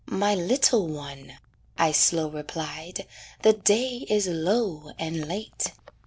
"My little one," I slow replied, "The day is low and late.